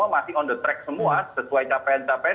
masih on the track semua sesuai capaian capaian